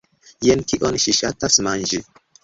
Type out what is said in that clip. Jen kion ŝi ŝatas manĝi